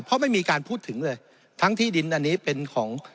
เพราะไม่มีการพูดถึงเลยทั้งที่ดินอันนี้เป็นของ